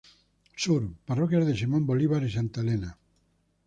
Sur: Parroquias de Simón Bolívar y Santa Elena.